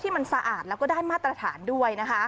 มันสะอาดแล้วก็ได้มาตรฐานด้วย